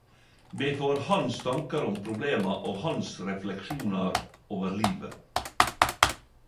Me får hans tankar om problema og hans refleksjonar over livet.